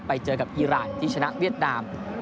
ไปเจอกับอีรานที่ชนะเวียดนาม